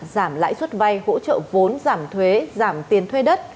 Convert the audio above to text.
giảm lãi suất vay hỗ trợ vốn giảm thuế giảm tiền thuê đất